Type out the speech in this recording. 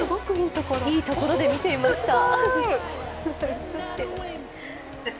いいところで見ていました。